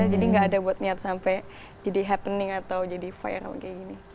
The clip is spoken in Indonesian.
jadi nggak ada buat niat sampai jadi happening atau jadi viral kayak gini